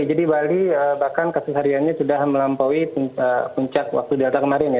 jadi bali bahkan kesehariannya sudah melampaui puncak waktu delta kemarin ya